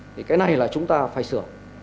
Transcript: thì cái này là chúng ta phải sửa